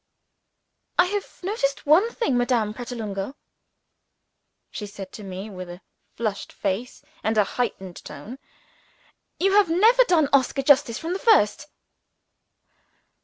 "I have noticed one thing, Madame Pratolungo," she said to me, with a flushed face and a heightened tone. "You have never done Oscar justice from the first."